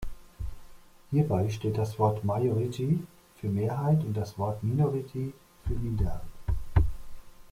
Hierbei steht das Wort "majority" für Mehrheit und das Wort "minority" für Minderheit.